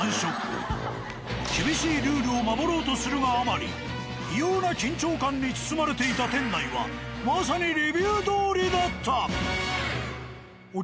厳しいルールを守ろうとするがあまり異様な緊張感に包まれていた店内はまさにレビューどおりだった。